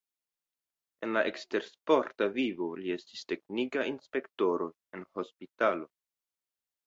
En la ekstersporta vivo li estis teknika inspektoro en hospitalo.